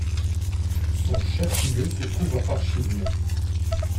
Son chef-lieu se trouve à Parchim.